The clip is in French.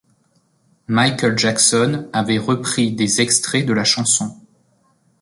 Michael Jackson avait repris des extraits de la chanson.